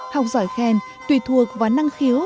học giỏi khen tùy thuộc vào năng khiếu